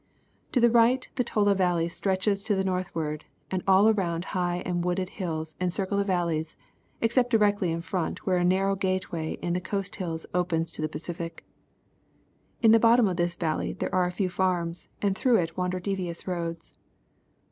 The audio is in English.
To the right the Tola valley sti etches to the northward, and all around high and wooded hills encircle the valleys except directly in front where a narrow gateway in the coast hills opens to the Pacific. In the bottom of this valley are a few farms and through it wander devious roads.